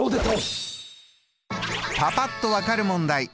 パパっと分かる問題